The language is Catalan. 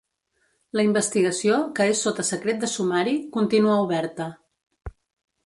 La investigació, que és sota secret de sumari, continua oberta.